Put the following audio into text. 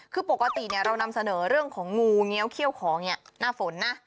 คือปกติเรานำเสนอเรื่องของงูเงี้ยวเขี้ยวของหน้าฝนนะ